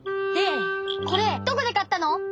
でこれどこでかったの！